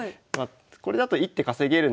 これだと１手稼げるので。